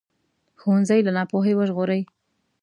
ښوونځی له ناپوهۍ وژغوري